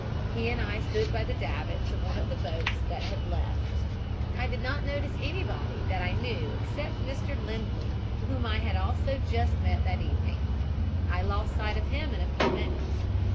He and I stood by the davits of one of the boats that had left. I did not notice anybody that I knew except Mr. Lindley, whom I had also just met that evening. I lost sight of him in a few minutes.